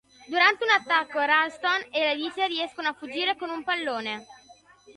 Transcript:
Durante un attacco, Ralston e Alice riescono a fuggire con un pallone.